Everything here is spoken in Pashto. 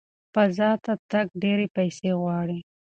فضا ته تګ ډېرې پیسې غواړي.